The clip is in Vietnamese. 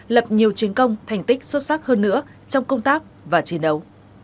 lập nhiều chiến công thành tích xuất sắc hơn nữa trong công tác và chiến đấu